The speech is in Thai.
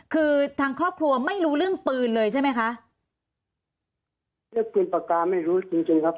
คือทางครอบครัวไม่รู้เรื่องปืนเลยใช่ไหมคะเรื่องปืนปากกาไม่รู้จริงจริงครับ